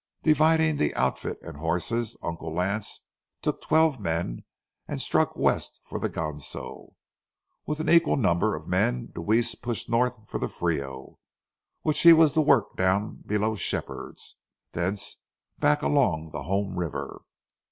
Dividing the outfit and horses, Uncle Lance took twelve men and struck west for the Ganso. With an equal number of men, Deweese pushed north for the Frio, which he was to work down below Shepherd's, thence back along the home river.